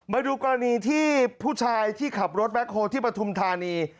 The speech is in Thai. มาดูกรณีที่ผู้ชายที่ขับรถแบ็คโฮที่ปฐุมธานี